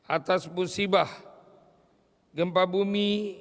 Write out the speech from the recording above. atas musibah gempa bumi